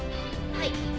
はい。